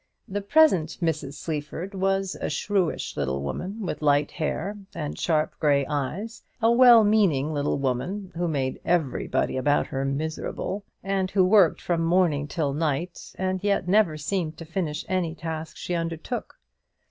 The present Mrs. Sleaford was a shrewish little woman, with light hair, and sharp grey eyes; a well meaning little woman, who made everybody about her miserable, and who worked from morning till night, and yet never seemed to finish any task she undertook.